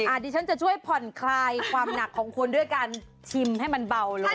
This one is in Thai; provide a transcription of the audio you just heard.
อันนี้ฉันจะช่วยผ่อนคลายความหนักของคุณด้วยการชิมให้มันเบาลง